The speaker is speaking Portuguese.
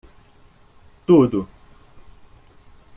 Tudo.